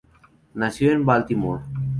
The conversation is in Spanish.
Nació en Baltimore.